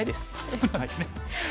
そうなんですね。